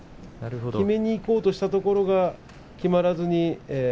きめにいこうとしているところがきまらずに。